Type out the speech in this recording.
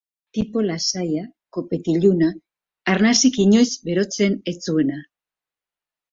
Tipo lasaia, kopetiluna, arnasik inoiz berotzen ez zuena.